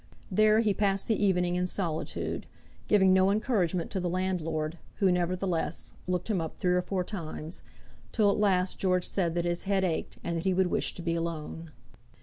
There he passed the evening in solitude, giving no encouragement to the landlord, who, nevertheless, looked him up three or four times, till at last George said that his head ached, and that he would wish to be alone.